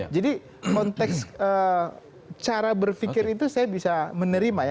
jadi konteks cara berpikir itu saya bisa menerima ya